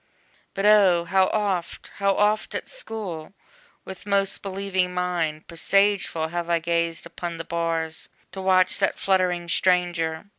But O! how oft, How oft, at school, with most believing mind, Presageful, have I gazed upon the bars, To watch that fluttering stranger!